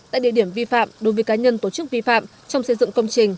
tại địa điểm vi phạm đối với cá nhân tổ chức vi phạm trong xây dựng công trình